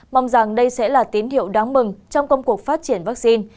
mong rằng đây sẽ là tín hiệu đáng mừng trong công cuộc phát triển vaccine